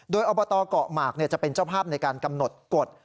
โดยอบตเกาะหมากจะเป็นเจ้าภาพในการกำหนดกฎ